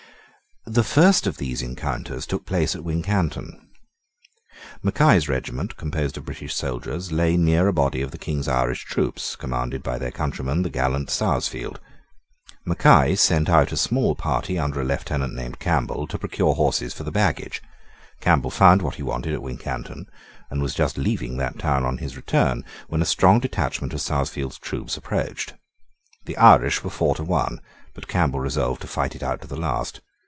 The first of these encounters took place at Wincanton. Mackay's regiment, composed of British soldiers, lay near a body of the King's Irish troops, commanded by their countryman, the gallant Sarsfield. Mackay sent out a small party under a lieutenant named Campbell, to procure horses for the baggage. Campbell found what he wanted at Wincanton, and was just leaving that town on his return, when a strong detachment of Sarsfield's troops approached. The Irish were four to one: but Campbell resolved to fight it out to the last.